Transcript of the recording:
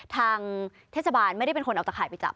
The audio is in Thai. ทางเทศบาลไม่ได้เป็นคนเอาตะข่ายไปจับ